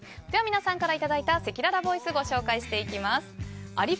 では、皆さんからいただいたせきららボイスご紹介していきます。